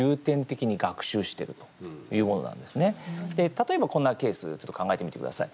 例えばこんなケースちょっと考えてみてください。